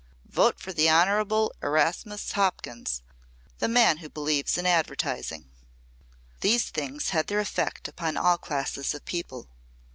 Vote for the Hon. Erastus Hopkins, the man who believes in advertising." These things had their effect upon all classes of people.